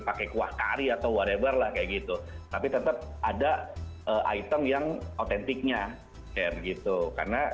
pakai kuah kari atau wareber lah kayak gitu tapi tetap ada item yang otentiknya care gitu karena